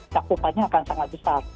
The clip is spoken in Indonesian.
cakupannya akan sangat besar